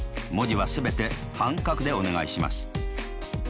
文字は全て半角でお願いします。